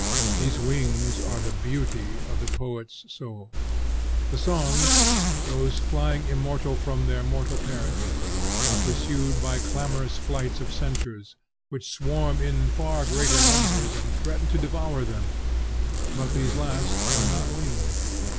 These wings are the beauty of the poet's soul. The songs, thus flying immortal from their mortal parent, are pursued by clamorous flights of censures, which swarm in far greater numbers and threaten to devour them; but these last are not winged.